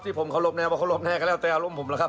ที่ผมโครบแนวว่าโครบแนวก็แล้วแต่อารมณ์ผมล่ะครับ